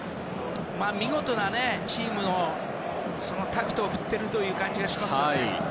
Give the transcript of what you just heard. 見事なチームのタクトを振ってる感じがしますよね。